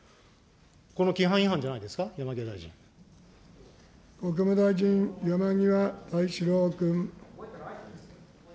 この規範違反じゃないですか、山国務大臣、山際大志郎君。